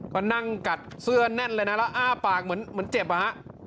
ก็นั่งกัดเสื้อแน่นเลยนะแล้วอ้าปากเหมือนเจ็บอะฮะ